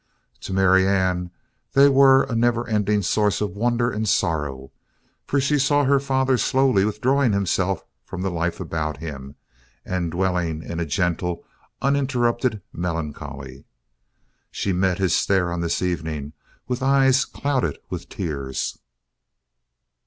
To Marianne they were a never ending source of wonder and sorrow, for she saw her father slowly withdrawing himself from the life about him and dwelling in a gentle, uninterrupted melancholy. She met his stare, on this evening, with eyes clouded with tears.